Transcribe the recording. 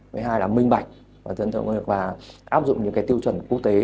với hai là minh bạch và dẫn dẫn doanh nghiệp và áp dụng những tiêu chuẩn quốc tế